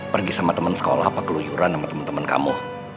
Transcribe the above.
pergi sama teman sekolah apa keluyuran sama teman teman kamu